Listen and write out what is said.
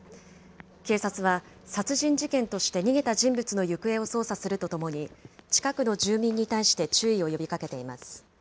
警察は殺人事件として逃げた人物の行方を捜査するとともに、近くの住民に対して注意を呼びかけています。